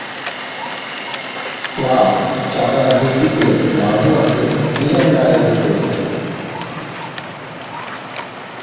Club চাঁদার ভিত্তিতে মাঝে মাঝে ডিনারের আয়োজন করে থাকে।